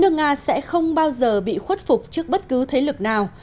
nước nga sẽ không bao giờ bị khuất phục trước bất cứ thế lực nào